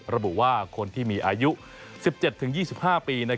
ระบุว่าคนที่มีอายุ๑๗๒๕ปี